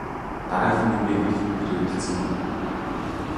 Дараагийнх нь хэн бэ гэдэгт тэр эргэлзсэнгүй.